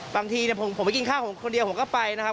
บางทีผมไปกินข้าวผมคนเดียวผมก็ไปนะครับ